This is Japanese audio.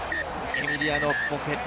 エミリアノ・ボフェリ。